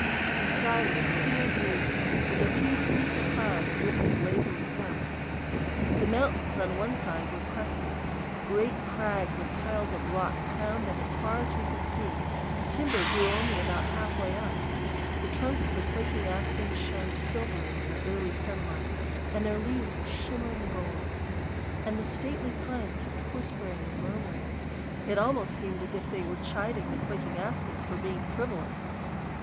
The sky was clear blue, with a few fleecy clouds drifting lazily past. The mountains on one side were crested; great crags and piles of rock crowned them as far as we could see; timber grew only about halfway up. The trunks of the quaking aspens shone silvery in the early sunlight, and their leaves were shimmering gold. And the stately pines kept whispering and murmuring; it almost seemed as if they were chiding the quaking aspens for being frivolous.